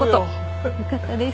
よかったです。